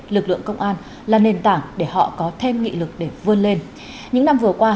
lực lượng công an là nền tảng để họ có thêm nghị lực để vươn lên những năm vừa qua